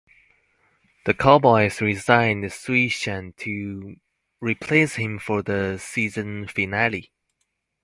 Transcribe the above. The Cowboys re-signed Suisham to replace him for the season finale.